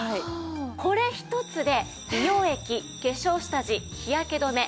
これ一つで美容液化粧下地日焼け止め